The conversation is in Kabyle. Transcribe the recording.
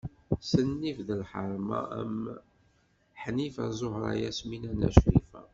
S nnif d lḥerma am: Ḥnifa, Zuhra, Yasmina, Na Crifa.